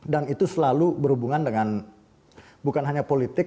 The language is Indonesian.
itu selalu berhubungan dengan bukan hanya politik